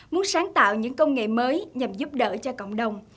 muốn sáng tạo những công nghệ mới nhằm giúp đỡ cho cộng đồng